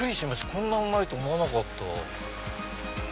こんなうまいと思わなかった。